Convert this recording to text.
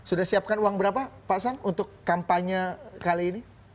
sudah siapkan uang berapa pak sam untuk kampanye kali ini